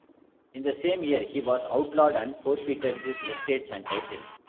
In the same year, he was outlawed and forfeited his estates and title.